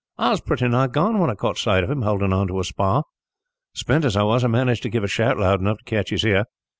I was pretty nigh gone when I caught sight of him, holding on to a spar. Spent as I was, I managed to give a shout loud enough to catch his ear.